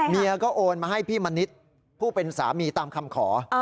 เมียก็โอนมาให้พี่มณิษฐ์ผู้เป็นสามีตามคำขอ